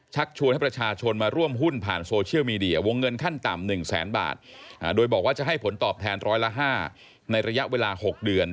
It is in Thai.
ชวนให้ประชาชนมาร่วมหุ้นผ่านโซเชียลมีเดียวงเงินขั้นต่ำ๑แสนบาทโดยบอกว่าจะให้ผลตอบแทนร้อยละ๕ในระยะเวลา๖เดือน